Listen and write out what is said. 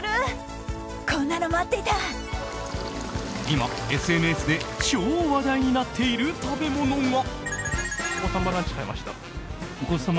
今、ＳＮＳで超話題になっている食べ物が。